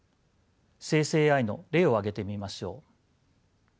生成ＡＩの例を挙げてみましょう。